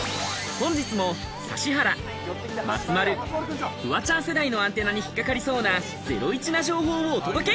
本日も指原、松丸、フワちゃん世代のアンテナに引っ掛かりそうなゼロイチな情報をお届け！